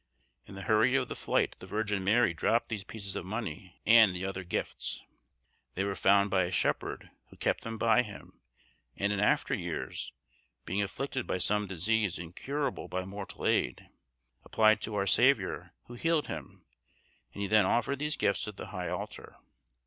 In the hurry of the flight the Virgin Mary dropped these pieces of money and the other gifts. They were found by a shepherd, who kept them by him, and in after years, being afflicted by some disease incurable by mortal aid, applied to our Saviour, who healed him, and he then offered these gifts at the high altar.